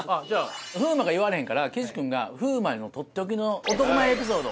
風磨が言われへんから岸君が風磨のとっておきの男前エピソード。